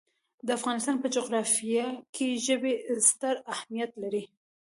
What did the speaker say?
د افغانستان په جغرافیه کې ژبې ستر اهمیت لري.